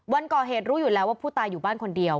วันก่อเหตุรู้อยู่แล้วว่าผู้ตายอยู่บ้านคนเดียว